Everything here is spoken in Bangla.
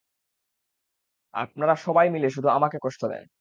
আপনারা সবাই মিলে শুধু আমাকে কষ্ট দেন।